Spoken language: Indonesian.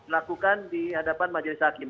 lakukan di hadapan majelis hakim